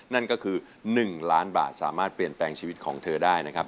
นั่นก็คือ๑ล้านบาทสามารถเปลี่ยนแปลงชีวิตของเธอได้นะครับ